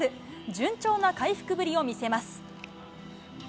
順調な回復ぶりを見せます。